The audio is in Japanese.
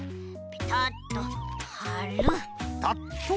ペタッと。